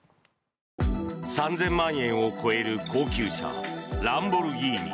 ３０００万円を超える高級車ランボルギーニ。